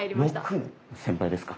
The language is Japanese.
先輩ですか？